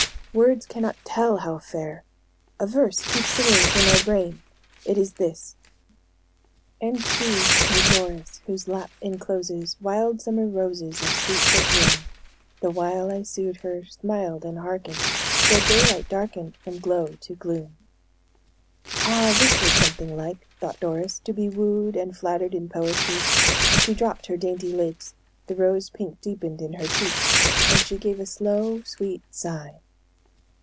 "Words cannot tell how fair. A verse keeps singing through my brain; it is this: "'And she, my Doris, whose lap incloses Wild summer roses of sweet perfume, The while I sued her, smiled and hearkened, Till daylight darkened from glow to gloom.'" Ah, this was something like, thought Doris, to be wooed and flattered in poetry. She dropped her dainty lids, the rose pink deepened in her cheeks, and she gave a slow, sweet sigh.